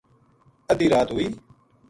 ادھی رات ہوئی